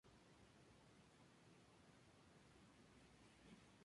Gustavo, quien nunca había trabajado de esta forma, se sintió a gusto.